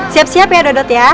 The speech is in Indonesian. siap siap ya dodot ya